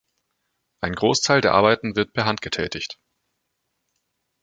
Ein Großteil der Arbeiten wird per Hand getätigt.